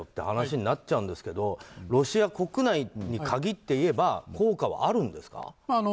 話になっちゃうんですけどロシア国内に限って言えば効果はあるんですか？